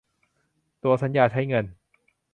ตั๋วสัญญาใช้เงิน